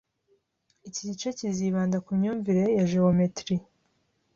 Iki gice kizibanda ku myumvire ya geometrie